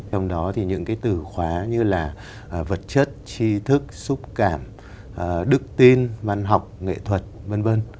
trong đó thì những cái từ khóa như là vật chất chi thức xúc cảm đức tin văn học nghệ thuật v v